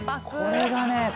これがね